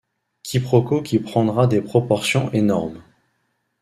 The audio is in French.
Quiproquo qui prendra des proportions énormes.